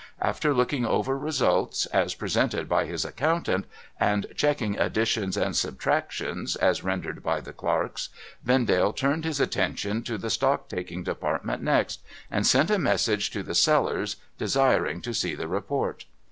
After looking over results, as presented by his accountant, and checking additions and subtractions, as rendered by the clerks, Vendale turned his attention to the stock taking department next, and sent a message to the cellars, desiring to see the report.